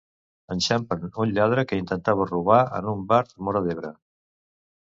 Enxampen un lladre que intentava robar en un bar de Móra d'Ebre.